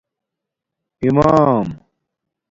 امام